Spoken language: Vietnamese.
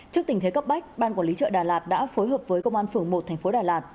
trước tình thế cấp bách ban quản lý chợ đà lạt đã phối hợp với công an phường một thành phố đà lạt